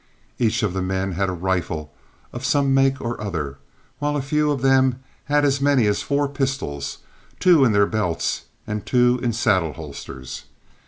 Each of the men had a rifle of some make or other, while a few of them had as many as four pistols, two in their belts and two in saddle holsters.